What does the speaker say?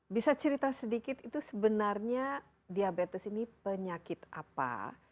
bisa cerita sedikit itu sebenarnya diabetes ini penyakit apa